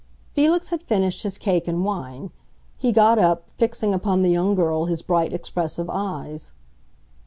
Felix had finished his cake and wine; he got up, fixing upon the young girl his bright, expressive eyes.